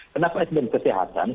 kenapa esmen kesehatan